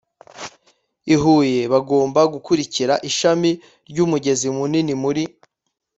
ihuye bagomba gukurikira ishami ry umugezi munini muri